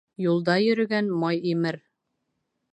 Юлда йөрөгән май имер